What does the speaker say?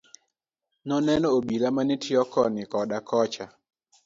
Noneno obila mane tiyo koni koda kocha.